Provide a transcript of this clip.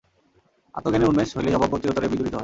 আত্মজ্ঞানের উন্মেষ হইলেই অভাববোধ চিরতরে বিদূরিত হয়।